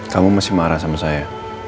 kamu masih marah sama saya